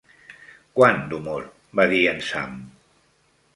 "Quant d'humor", va dir en Sam.